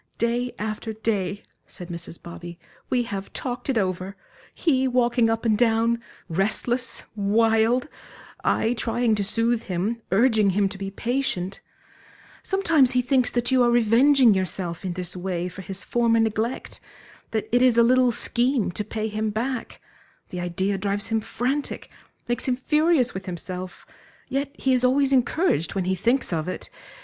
"Day after day," said Mrs. Bobby, "we have talked it over he walking up and down, restless, wild; I trying to soothe him, urging him to be patient Sometimes he thinks that you are revenging yourself in this way for his former neglect, that it is a little scheme to pay him back the idea drives him frantic, makes him furious with himself, yet he is always encouraged when he thinks of it.